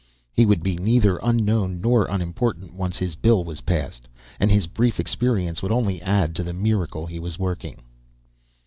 He would be neither unknown nor unimportant, once his bill was passed, and his brief experience would only add to the miracle he was working.